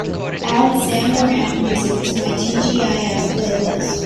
Add Sam Moran music to my tgif playlist